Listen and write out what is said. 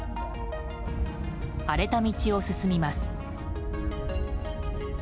荒れた道を進みます。